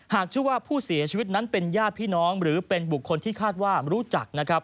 หากชื่อว่าผู้เสียชีวิตนั้นเป็นญาติพี่น้องหรือเป็นบุคคลที่คาดว่ารู้จักนะครับ